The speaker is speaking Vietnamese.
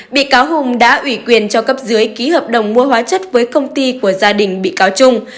bị cáo hùng đã ủy quyền cho cấp dưới ký hợp đồng mua hóa chất với công ty của gia đình bị cáo trung